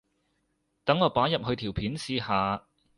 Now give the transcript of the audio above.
等我擺入去條片試下